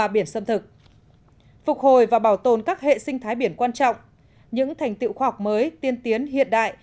biển sâm thực phục hồi và bảo tồn các hệ sinh thái biển quan trọng những thành tựu khoa học mới tiên tiến hiện đại